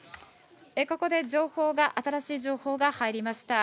ここで情報が、新しい情報が入りました。